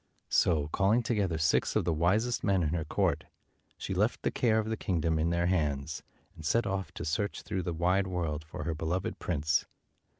So, calling together six of the wisest men in her court, she left the care of the kingdom in their hands, and set off to search through the wide world for her beloved prince.